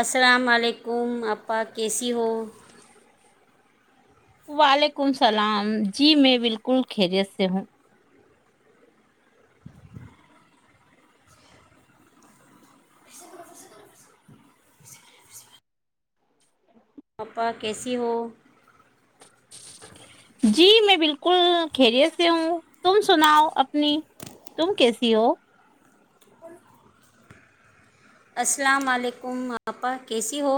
السلام علیکم آا کیسی ہو وعلیکم السلام جی میں بالکل خیریت سے ہوں پپا کیسی ہو جی میں بالکل خیریت سے ہوں تم سناؤ اپنی تم کیسی ہو السلام علیکم آپا کیسی ہو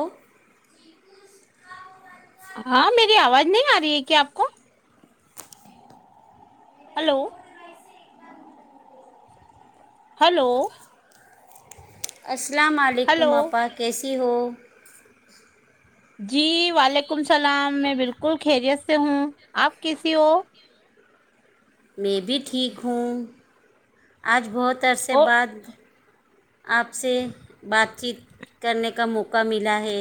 ہاں میری آواز نہیں آ رہی ہے کیا آپ کو ہلو ہلو اس السلام ہلو علیکم اپا کی تیی ہو جی وعلیکم السلام میں بالکل خیریت سے ہوں آپ کیسی ہو میں بھی ٹھیک ہوں آج بہت اتر سے او بعد آپ سے بات چیت کرنے کا موقع ملا ہے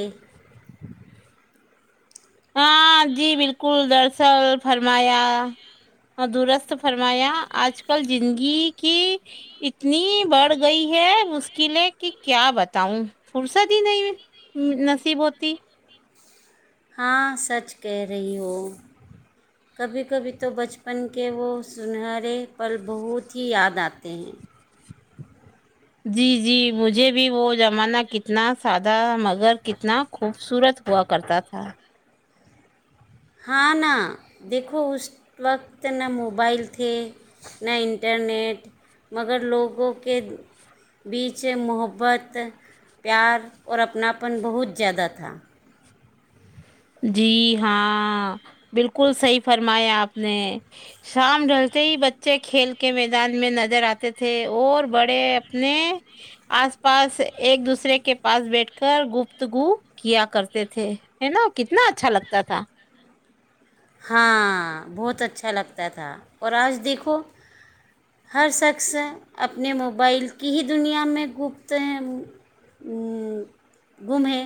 ہاں جی بالکل دراصل فرمایا درست فرمایا آج کل زندگی کی اتنی بڑھ گئی ہے مشکلیں کہ کیا بتاؤں فرصت ہی نہیں نصیب ہوتی ہاں سچ کہہ رہی ہو کبھی کبھی تو بچپن کے وہ سنہرے پل بہت ہی یاد آتے ہیں جی جی مجھے بھی وہ زمانہ کتنا سادہ مگر کتنا خوبصورت ہوا کرتا تھا ہاں نہا دیکھو اس وقت ن موبائل تھ نہ انٹرنیٹ مگر لوگوں کے بیچ محبت پیار اور اپناپن بہت زیادہ تھا جی ہاں بالکل صحیح فرمایا آپ نے شام ڈلتے ہی بچے کھیل کے میدان میں نظر آتے تھے اور بڑے اپنے آس پاس ایک دوسرے کے پاس بیٹھ کر گفتگو کیا کرتے تھے ہے نا کتنا اچھا لگتا تھا ہاں بہت اچھا لگتا تھا اور آج دیکھو ہر شخص اپنے موبائل کی ہی دنیا میں گپت گم ہے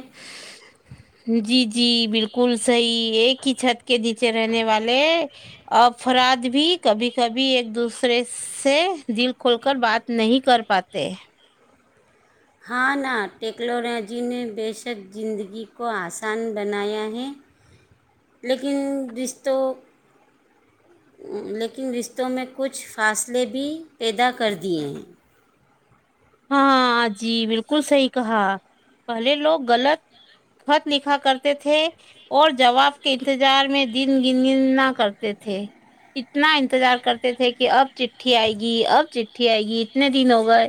[inaudible] جی جی بالکل صحیح ایک ہی چھت کے نیچے رہنے والے افراد بھی کبھی کبھی ایک دوسرے سے دل کھول کر بات نہیں کر پاتے ہاں نہا ٹیکنالوجی نے بے شک زندگی کو آسان بنایا ہے لیکن رشتوں لیکن رشتوں میں کچھ فاصلے بھی پیدا کر دیے ہیں ہاں جی بالکل صحیح کہا پہلے لوگ غلط خط لکھا کرتے تھے اور جواب کے انتظار میں دن گن گن نہ کرتے تھے اتنا انتظار کرتے تھے کہ اب چٹھی آئے گی اب چٹھی آئے گی اتنے دن ہو گئے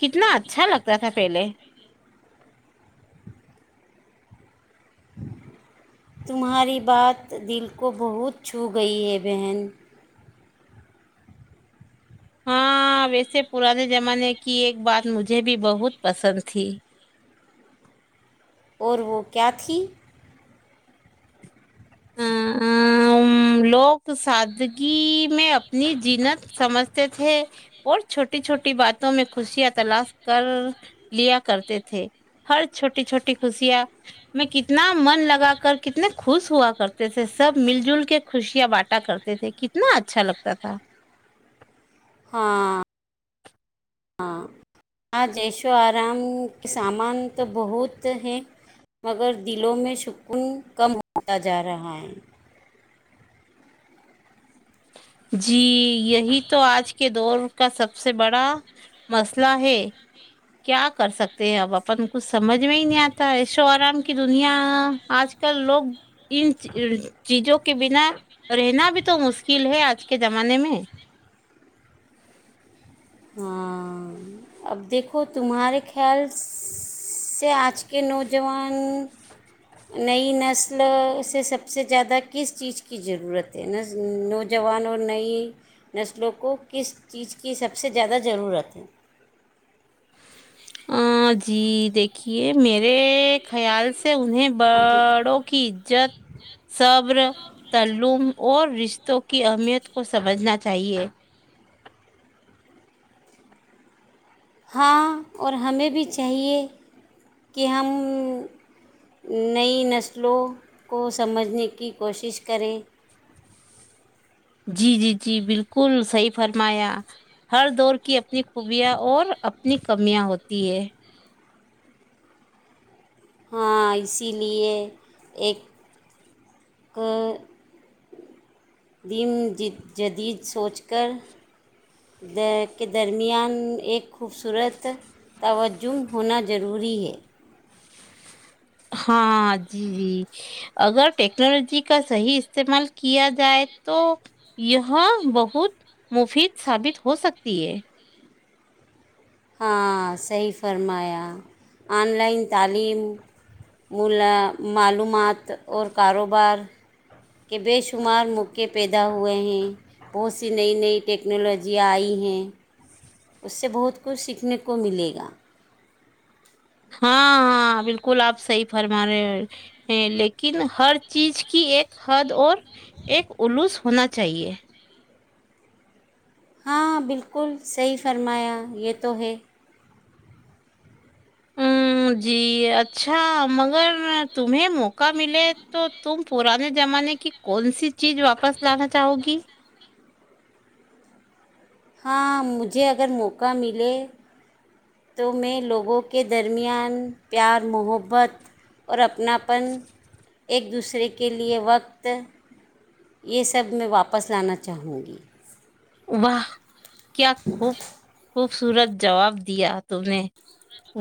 کتنا اچھا لگتا تھا پہلے تمہاری بات دل کو بہت چھو گئی ہے بہن ہاں ویسے پرانے زمانے کی ایک بات مجھے بھی بہت پسند تھی اور وہ کیا تھی لوگ سادگی میں اپنی جینت سمجھتے تھے اور چھوٹی چھوٹی باتوں میں خوشیاں تلاش کر لیا کرتے تھے ہر چھوٹی چھوٹی خوشیاں میں کتنا من لگا کر کتنے خوش ہوا کرتے تھے سب مل جل کے خوشیاں باٹا کرتے تھے کتنا اچھا لگتا تھا ہاں ہاں ہاں جیش و آرام کے سامان تو بہت ہیں مگر دلوں میں سکون کم ہوتا جا رہا ہے جی یہی تو آج کے دور کا سب سے بڑا مسئلہ ہے کیا کر سکتے ہیں اپ اپن کچھ سمج میں ہی نہیں آتا ای شو آرام کی دنیا آج کل لوگ ان چیزوں کے بنا رہنا بھی تو مشکل کل ہے آج کے زمانے میں ہاں اب دیکھو تمہارے خیال سے آج کے نو جوان نئی نسل سے سب سے زیادہ کس چیز کی ضرورت ہے نوجوان اور نئی نسلوں کو کس چیز کی سب سب سے زیادہ ضرورت ہے ہاں جی دیکھیے میرے خیال سے انہیں ہاں جی بڑوں کی عزت صبر تلوم اور رشتوں کی اہمیت کو سمجھنا چاہیے ہاں اور ہمیں بھی چاہیے کہ ہم نئی نسلوں کو سمجھنے کی کوشش کریں جی جی جی بالکل صحیح فرمایا ہر دور کی اپنی خوبیاں اور اپنی کمیاں ہوتی ہے ہاں اسی لیے ایک دم جدید سوچ کر کے درمیان ایک خوبصورت توجم ہونا ضروری ہے ہاں جی جی اگر ٹیکنالوجی کا صحیح استعمال کیا جائے تو یہ بہت مفید ثابت ہو سکتی ہے ہاں صحیح فرمایا آن لائن تعلیم ملا معلومات اور کاروبار کے بے شمار موقعے پیدا ہوئے ہیں بہت سی نئی نئی ٹیکنالوجیاں آئی ہیں اس سے بہت کچھ سیکھنے کو ملے گا ہاں ہاں بالکل آپ صحیح فرما رہے ہیں لیکن ہر چیز کی ایک حد اور ایک الوس ہونا چاہیے ہاں بالکل صحیح فرمایا یہ تو ہے جی اچھا مگر تمہیں موقع ملے تو تم پرانے زمانے کی کون سی چیز واپس لانا چاہو گی ہاں مجھے اگر موقع ملے تو میں لوگوں کے درمیان پیار محبت اور اپناپن ایک دوسرے کے لیے وقت یہ سب میں واپس لانا چاہوں گی واہ کیا خوب خوب [unintelligible] خوبصورت جواب دیا تم نے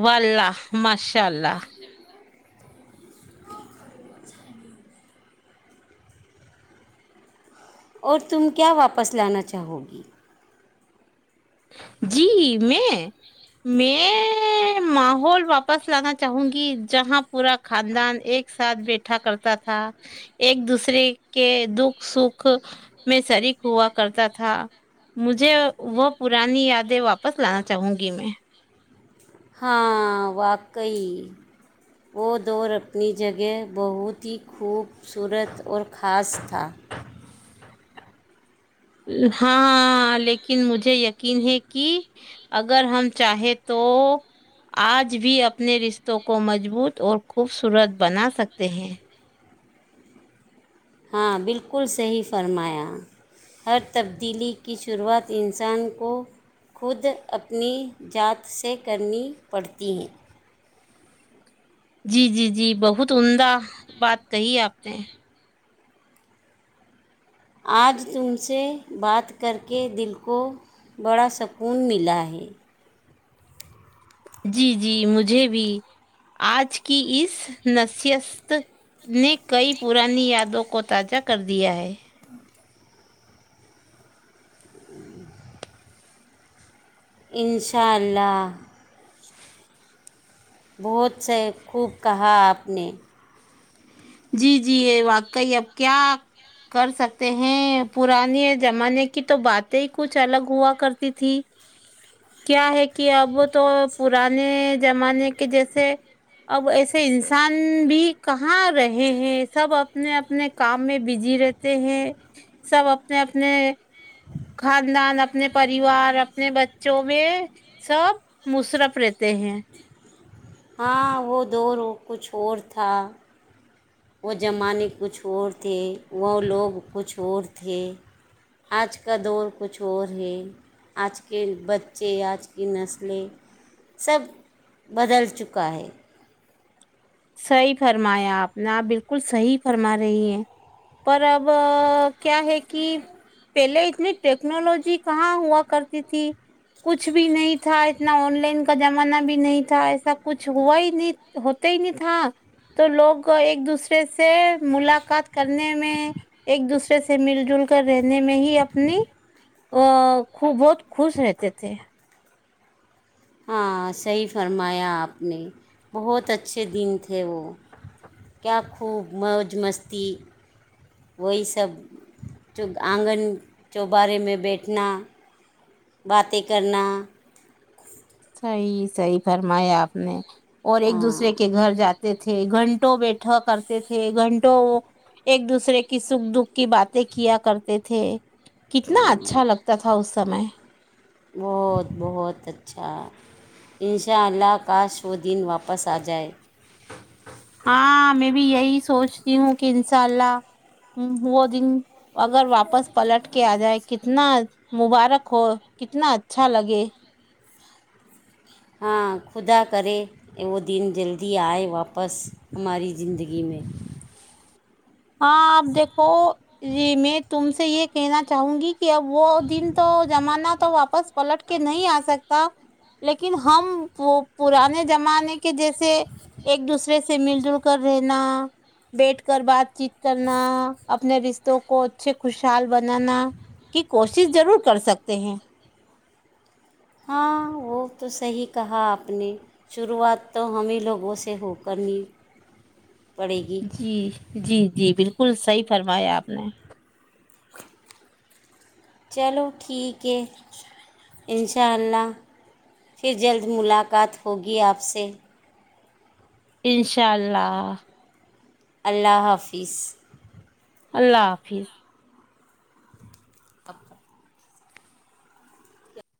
واللہ ماشاء اللہ اور تم کیا واپس لانا چاہو گی جی میں میں ماحول واپس لانا چاہوں گی جہاں پورا خاندان ایک ساتھ بیٹھا کرتا تھا ایک دوسرے کے دکھ سکھ میں شریک ہوا کرتا تھا مجھے وہ پرانی یادیں واپس لانا چاہوں گی میں ہاں واقعی وہ دور اپنی جگہ بہت ہی خوبصورت اور خاص تھا ہاں لیکن مجھے یقین ہے کہ اگر ہم چاہیں تو آج بھی اپنے رشتوں کو مضبوط اور خوبصورت بنا سکتے ہیں ہاں بالکل صحیح فرمایا ہر تبدیلی کی شروعات انسان کو خود اپنی ذات سے کرنی پڑتی ہے جی جی جی بہت عمدہ بات کہی اپ نے آج تم سے بات کر کے دل کو بڑا سکون ملا ہے جی جی مجھے بھی آج کی اس نصیست نے کئی پرانی یادوں کو تازہ کر دیا ہے انشاء اللہ بہت سے خوب کہا آپ نے جی جی یہ واقعی اب کیا کر سکتے ہیں پران زمانے کی تو باتیں ہی کچھ الگ ہوا کرتی تھی کیا ہے کہ اب تو پرانے زمانے کے جیسے اب ایسے انسان بھی کہاں رہتے ہیں سب اپنے اپنے کام میں بزی رہتے ہیں سب اپنے اپنے خاندان اپنے پریوار اپنے بچوں میں سب مصرف رہتے ہیں ہاں وہ دوورو کچھ اور تھا [unintelligible] وہ زمانے کچھ اور تھے وہ لوگ کچھ اور تھے آج کا دور کچھ اور ہے آج کے بچے آج کی نسلیں سب بدل چکا ہے صحی فرمایا آپ نے آپ بالکل صحیح فرما رہی ہیں پر اب کیا ہے کہ پہلے اتنی ٹیکنالوجی کہاں ہوا کرتی تھی کچھ بھی نہیں تھا اتنا آن لائن کا زمانہ بھی نہیں تھا ایسا کچھ ہوا ہی نہیں ہوتا ہی نہیں تھا ہاں تو لوگ ایک دوسرے سے ملاقات کرنے میں ایک دوسرے سے مل جل کر رہنے میں ہی اپنی ا خو بہت خوش رہتے تھے ہاں صحیح فرمایا آپ نے بہت اچھے دن تھے وہ کیا خوب موج مستی وہی سب چ آنگن کے بارے میں بیٹھنا باتیں کرنا صحی صحی فرمایا آپ نے اور ایک ہاں دوسرے کے گھر جاتے تھے گھنٹوں بیٹھا کرتے تھے گھنٹوں ایک دوسرے کی سکھ دکھ کی باتیں کیا کرتے تھے کتنا اچھا لگتا تھا اس سمے بہت بہت اچھا اچھا ان شاء اللہ کاش وہ دن واپس واپس آ جائے ہاں میں بھی یہی سوچتی ہوں کہ انشاء اللہ وہ دن اگر واپس پلٹ کے آ جائے کہ کتنا مبارک ہو کتنا اچھا لگے ہاں خدا کرے وہ دن جلدی آئے واپس ہماری زندگی میں ہاں آپ دیکھو ہو جی میں تم سے سے یہ کہنا چاہوں گی کہ اب وہ دن تو زمانہ تو واپس پلٹ کے نہیں آ سکتا لیکن ہم وہ پرانے زمانے کے جیسے ایک دوسرے سے مل جل کر رہنا بیٹھ کر بات بات چیت کرنا اپنے رشتوں کو اچھے خوشحال بنانا کی کوشش ضرور کر سکتے ہیں ہاں وہ تو صحیح کہا آپ نے شروعات تو ہمیں لوگوں سے ہو کرنی پڑے گی جی جی جی بالکل صحیح فرمایا آپ نے چلو ٹھیک ہے ان شاء اللہ پھر جلد ملاقات ہوگی آپ سے انشاء اللہ اللہ حافظ اللہ حافظ [inaudible]